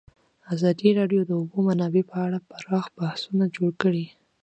ازادي راډیو د د اوبو منابع په اړه پراخ بحثونه جوړ کړي.